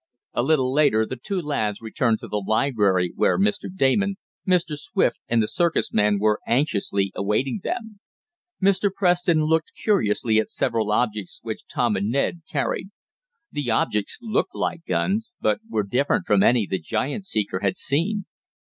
A little later the two lads returned to the library where Mr. Damon, Mr. Swift and the circus man were anxiously awaiting them. Mr. Preston looked curiously at several objects which Tom and Ned carried. The objects looked like guns but were different from any the giant seeker had seen.